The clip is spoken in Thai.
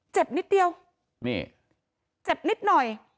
เจ็บนิดเดียวนี่เจ็บนิดหน่อย